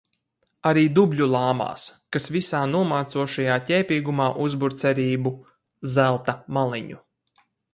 Arī dubļu lāmās, kas visā nomācošajā ķēpīgumā uzbur cerību «zelta maliņu».